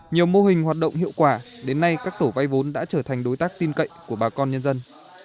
nhiều mô hình hoạt động hiệu quả đến nay các tổ vay vốn đã trở thành đối tác tin cậy của bà con nhân dân